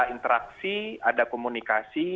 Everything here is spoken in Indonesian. interaksi ada komunikasi